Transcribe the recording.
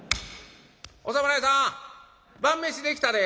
「お侍さん晩飯できたで。